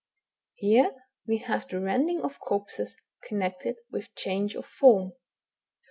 Here we have the rending of corpses connected with change of form.